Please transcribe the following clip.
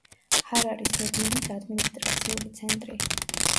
ჰარარის რეგიონის ადმინისტრაციული ცენტრი.